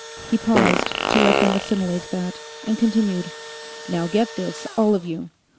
He paused, to let them assimilate that, and continued: "Now get this, all of you!